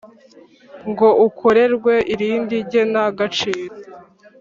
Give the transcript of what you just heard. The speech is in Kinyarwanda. Ngo ukorerwe irindi gena gaciro